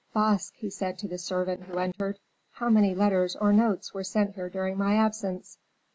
"Basque," he said to the servant who entered, "how many letters or notes were sent here during my absence?"